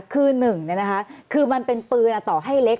คือ๑คือมันเป็นปืนต่อให้เล็ก